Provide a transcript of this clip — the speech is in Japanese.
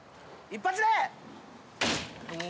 一発で。